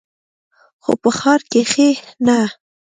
خو په ښار کښې نه.